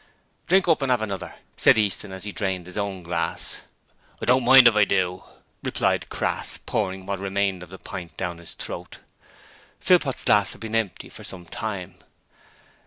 'Drink up and 'ave another,' said Easton as he drained his own glass. 'I don't mind if I do,' replied Crass, pouring what remained of the pint down his throat. Philpot's glass had been empty for some time.